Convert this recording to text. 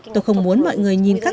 tôi không muốn mọi người nhìn khác